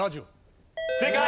正解。